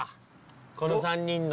この３人の。